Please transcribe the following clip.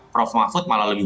prof mahfud malah lebih